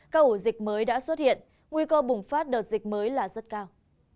cao ủ dịch mới đã xuất hiện nguy cơ bùng phát đợt dịch mới là rất cao